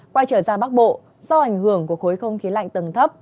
quay trở ra bắc bộ do ảnh hưởng của khối không khí lạnh tầng thấp